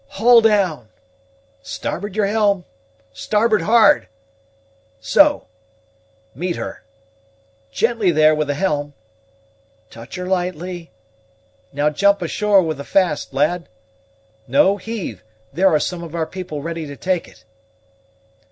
"Haul down starboard your helm starboard hard so meet her gently there with the helm touch her lightly now jump ashore with the fast, lad no, heave; there are some of our people ready to take it."